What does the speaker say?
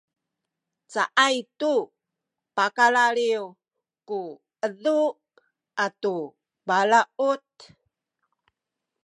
caay tu pakalaliw ku edu atu balaut